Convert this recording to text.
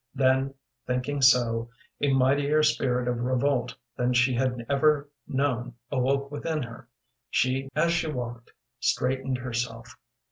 Then, thinking so, a mightier spirit of revolt than she had ever known awoke within her. She, as she walked, straightened herself.